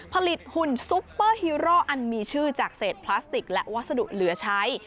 หุ่นซุปเปอร์ฮีโร่อันมีชื่อจากเศษพลาสติกและวัสดุเหลือใช้